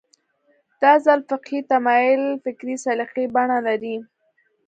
دا ځل فقهي تمایل فکري سلیقې بڼه لري